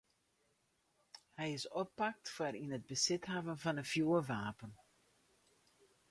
Hy is oppakt foar it yn besit hawwen fan in fjoerwapen.